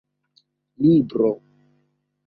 libro